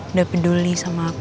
udah peduli sama aku